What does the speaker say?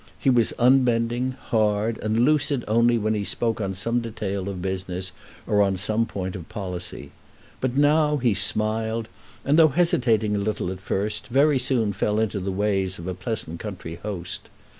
He was unbending, hard, and lucid only when he spoke on some detail of business, or on some point of policy. But now he smiled, and though hesitating a little at first, very soon fell into the ways of a pleasant country host.